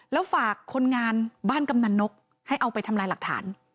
แล้วฝากคนงานบ้านกำนันนกให้เอาไปทำลายหลักฐาน